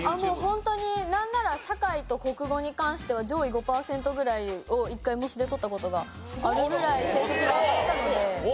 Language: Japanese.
ホントになんなら社会と国語に関しては上位５パーセントぐらいを１回模試で取った事があるぐらい成績が上がったので。